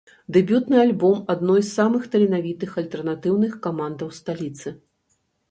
Дэбютны альбом адной з самых таленавітых альтэрнатыўных камандаў сталіцы.